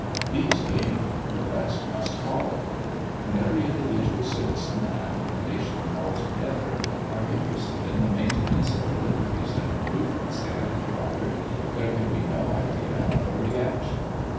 These gained, the rest must follow. When every individual citizen and the nation altogether are interested in the maintenance of the liberties and improvements they have acquired, there can be no idea of a reaction.